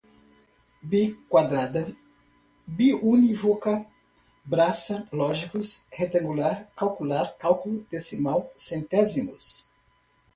biquadrada, biunívoca, braça, lógicos, retangular, calcular, cálculo, decimal, centésimos